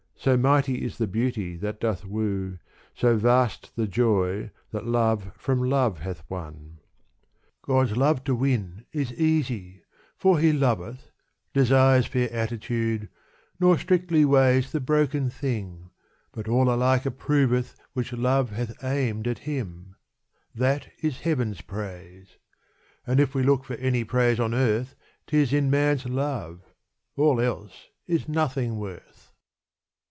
So mighty is the beauty that doth woo, So vast the joy that love from love hath won. God's love to win is easy, for He loveth Desires fair attitude, nor strictly weighs The broken thing, but all alike approveth Which love hath aimed at Him : that is heaven's praise And if we look for any praise on earth 'T is in man's love : all else is nothing worth.